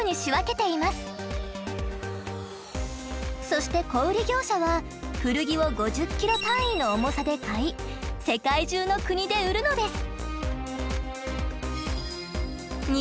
そして小売業者は古着を５０ｋｇ単位の重さで買い世界中の国で売るのです。